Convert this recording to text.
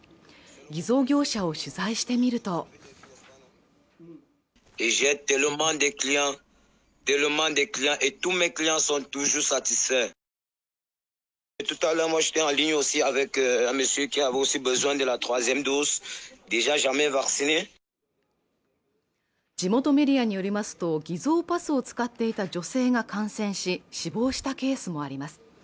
偽造業者を取材してみると地元メディアによりますと偽造パスを使っていた女性が感染し死亡したケースもあります